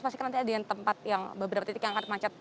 pastikan nanti ada yang tempat yang beberapa titik yang akan termacet